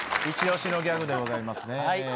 一押しのギャグでございますね。